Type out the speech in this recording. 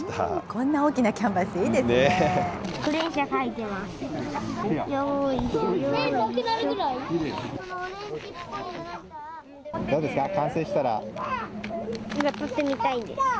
こんな大きなキャンバス、いいですね。